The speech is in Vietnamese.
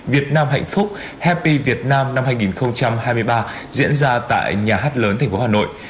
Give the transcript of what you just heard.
việt nam hạnh phúc happy việt nam năm hai nghìn hai mươi ba diễn ra tại nhà hát lớn thành phố hà nội